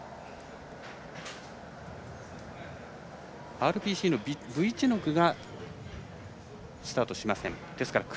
ＲＰＣのブィチェノクがスタートしません。